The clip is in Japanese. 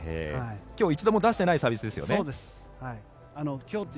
今日一度も出していないサービスですよね。